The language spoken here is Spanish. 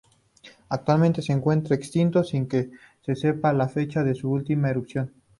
Actualmente se encuentra extinto, sin que se sepa la fecha de su última erupción.